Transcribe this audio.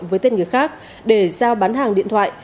với tên người khác để giao bán hàng điện thoại